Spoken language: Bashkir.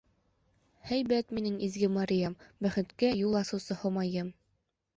- Һәйбәт, минең изге Мариям, бәхеткә юл асыусы Һомайым!